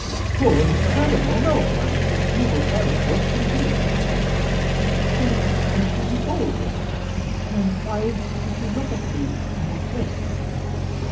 "Poor Mr. Furnival; no; I think he would bear it worse than Felix." "Then why should he go? And why should you look at me in that way?"